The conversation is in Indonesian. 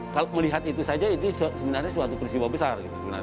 kalau melihat itu saja ini sebenarnya suatu peristiwa besar